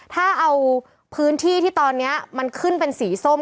ถ้าเอาพื้นที่ที่ตอนนี้มันขึ้นเป็นสีส้ม